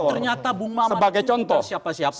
oh ternyata bung maman itu tidak siapa siapa